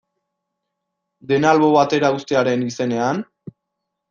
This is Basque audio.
Dena albo batera uztearen izenean?